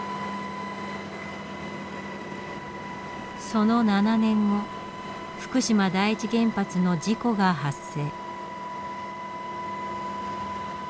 その７年後福島第一原発の事故が発生。